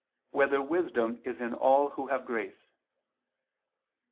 5] Whether Wisdom Is in All Who Have Grace?